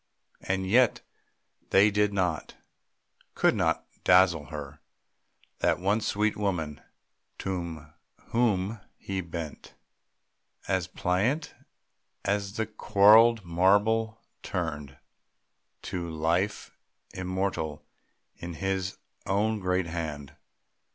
And yet they did not, could not dazzle her That one sweet woman unto whom he bent As pliant as the quarried marble turned To life immortal in his own great hand.